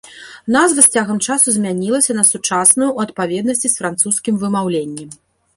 Назва з цягам часу змянілася на сучасную ў адпаведнасці з французскім вымаўленнем.